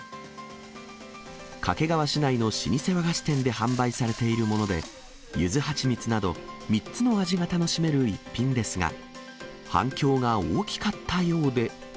掛川市内の老舗和菓子店で販売されているもので、ゆず蜂蜜など、３つの味が楽しめる逸品ですが、反響が大きかったようで。